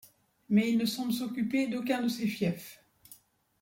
Mais il ne semble s'occuper d'aucun de ces fiefs.